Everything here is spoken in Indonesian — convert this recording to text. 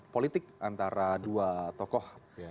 politik antara dua tokoh